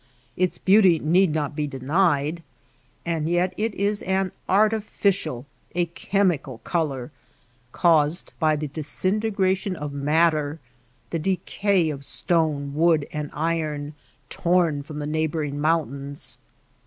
Its beauty need not be denied ; and yet it is an artificial, a chemical color, caused by the disintegration of matter — the decay of stone, wood, and iron torn from the neighboring mountains.